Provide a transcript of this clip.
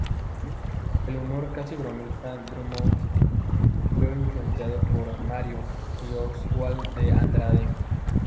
El humor casi bromista Drummond fue influenciado por Mário y Oswald de Andrade.